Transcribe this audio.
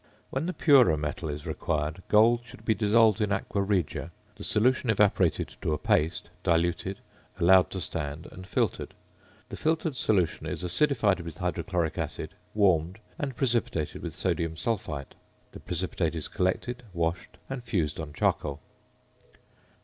When the purer metal is required, gold should be dissolved in aqua regia, the solution evaporated to a paste, diluted, allowed to stand, and filtered. The filtered solution is acidified with hydrochloric acid, warmed, and precipitated with sodium sulphite. The precipitate is collected, washed, and fused on charcoal.